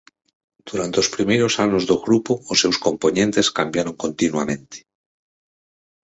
Durante os primeiros anos do grupo os seus compoñentes cambiaron continuamente.